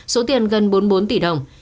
số tiền gần bốn mươi bốn tỷ đồng